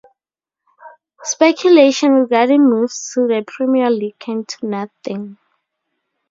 Speculation regarding moves to the Premier League came to nothing.